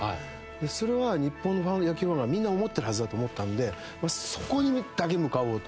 それは日本の野球ファンはみんな思ってるはずだと思ったんでそこにだけ向かおうと。